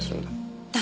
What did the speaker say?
だ